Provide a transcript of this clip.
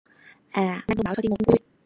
À anh thông báo cho trinh một tin vui